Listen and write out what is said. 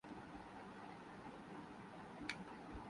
کہیں اور نہیں ملتا۔